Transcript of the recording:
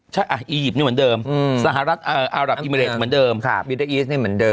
ใช่อ่ะอียิปต์นี่เหมือนเดิมสหรัฐอารับอิมเมเลตเหมือนเดิม